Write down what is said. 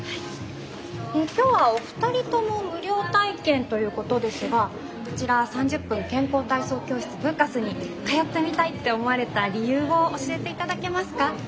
今日はお二人とも無料体験ということですがこちら３０分健康体操教室・ブーカスに通ってみたいって思われた理由を教えて頂けますか。